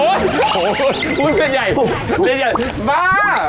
โอ้ยพูดกระดิ่งใหญ่เรียกอย่างบ้า